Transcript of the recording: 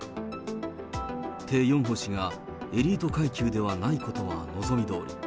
テ・ヨンホ氏がエリート階級ではないことは望みどおり。